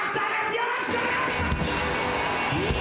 よろしくお願いします！